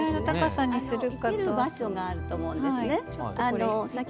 生ける場所があると思うんですね。